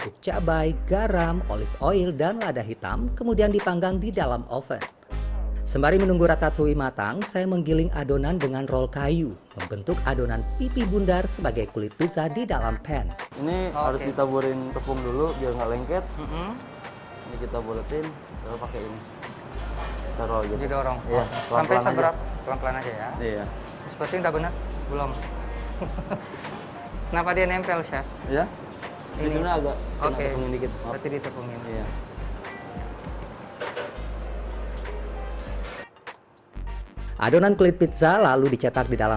pemilik restoran telah menawarkan ukuran pizza yang tersebut tidak terlalu tebal